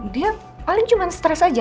dia paling cuma stres aja